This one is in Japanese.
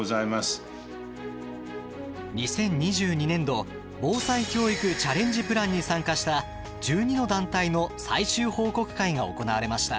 ２０２２年度「防災教育チャレンジプラン」に参加した１２の団体の最終報告会が行われました。